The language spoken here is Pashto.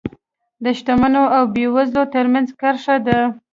د شتمنو او بېوزلو ترمنځ کرښه ده.